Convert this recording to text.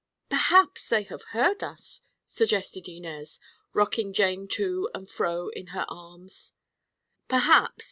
"Perhaps they have heard us," suggested Inez, rocking Jane to and fro in her arms. "Perhaps.